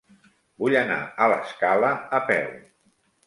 Vull anar a l'Escala a peu.